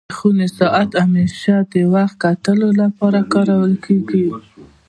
د خوني ساعت همېشه د وخت کتلو لپاره کارول کيږي.